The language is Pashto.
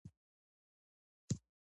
د لیکوالو یادونه زموږ تاریخي وجیبه ده.